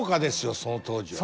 その当時は。